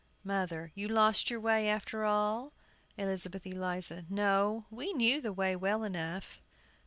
MOTHER. You lost your way, after all? ELIZABETH ELIZA. No; we knew the way well enough.